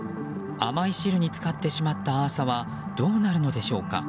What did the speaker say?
甘い汁に漬かってしまったアーサはどうなるのでしょうか。